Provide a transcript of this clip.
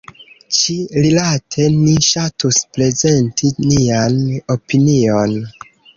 Ĉi-rilate ni ŝatus prezenti nian opinion.